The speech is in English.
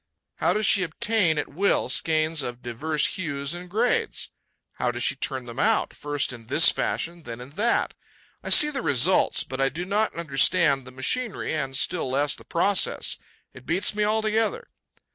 How does she obtain, at will, skeins of diverse hues and grades? How does she turn them out, first in this fashion, then in that? I see the results, but I do not understand the machinery and still less the process. It beats me altogether.